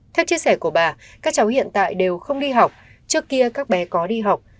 theo chia sẻ của bà các cháu hiện tại đều không đi học trước kia các bé có đi học